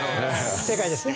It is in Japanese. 正解ですね。